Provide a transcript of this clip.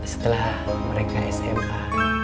setelah mereka sma